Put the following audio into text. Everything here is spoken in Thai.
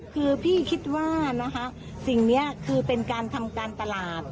คือพี่คิดว่านะคะสิ่งนี้คือเป็นการทำการตลาด